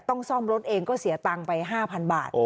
ซ่อมรถเองก็เสียตังค์ไป๕๐๐บาท